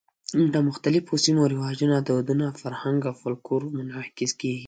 د مختلفو سیمو رواجونه، دودونه، فرهنګ او فولکلور منعکس کېږي.